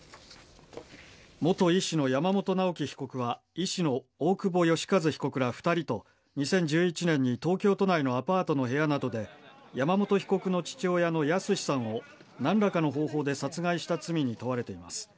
元医師の山本直樹被告は医師の大久保愉一被告ら２人と２０１１年に東京都内のアパートの部屋などで山本被告の父親の靖さんを何らかの方法で殺害した罪に問われています。